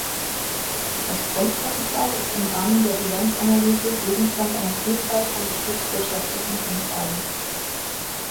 Das Fremdkapital ist im Rahmen der Bilanzanalyse Gegenstand einer Vielzahl von betriebswirtschaftlichen Kennzahlen.